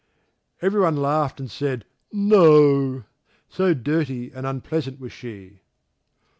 Everyone laughed and said, "No," so dirty and unpleasant was she.